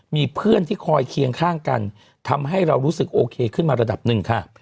มีเพื่อนที่คอยเคียงข้างกันทำให้เรารู้สึกโอเคขึ้นมาระดับหนึ่งค่ะ